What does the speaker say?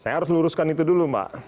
saya harus luruskan itu dulu mbak